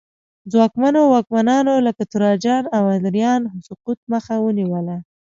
ځواکمنو واکمنانو لکه تراجان او ادریان سقوط مخه ونیوله